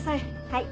はい。